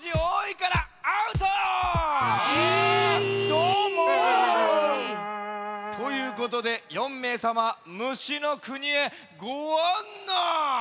どーも。ということで４めいさま虫のくにへごあんない。